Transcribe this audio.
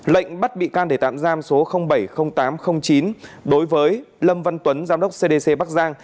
lệnh bắt bị can để tạm giam số bảy tám chín đối với lâm văn tuấn giám đốc cdc bắc giang